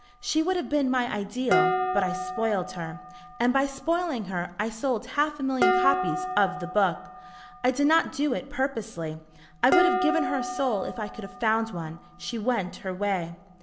She would have been my ideal, but I spoiled her. And by spoiling her I sold half a million copies of the book. I did not do it purposely. I would have given her a soul if I could have found one. She went her way."